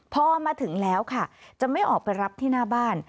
พอมาถึงแล้วค่ะจะไม่ออกไปรับที่หน้าบ้าน